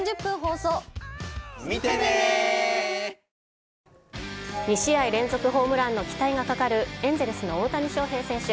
このほか、２試合連続ホームランの期待がかかる、エンゼルスの大谷翔平選手。